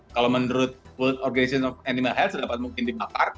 kalau menurut world orgation of animal health sedapat mungkin dimakar